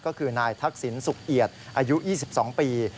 ก็คือนายทักษิณสุขเอียดอายุ๒๒ปี